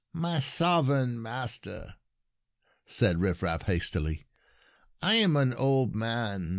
" My sovereign master," said Rifraf hastily, " I am an old man.